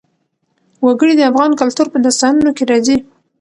وګړي د افغان کلتور په داستانونو کې راځي.